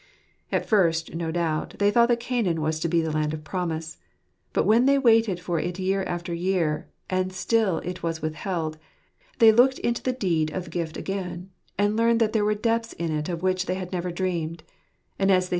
At first, no doubt, they thought that Canaan was to be the land of promise. But when they waited for it year after year, and still it was withheld, they looked into the deed of gift again, and learned that there were depths in it of which they had never dreamed ; and as they